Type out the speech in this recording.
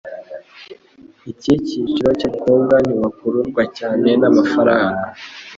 Icyi cyiciro cy'abakobwa ntibakururwa cyane n'amafaranga